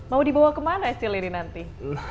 mau dibawa kemana istilah ini nanti